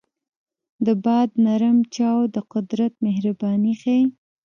د باد نرم چپاو د قدرت مهرباني ښيي.